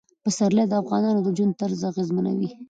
پسرلی د افغانانو د ژوند طرز اغېزمنوي.